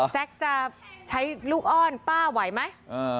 แจ๊คจะใช้ลูกอ้อนป้าไหวไหม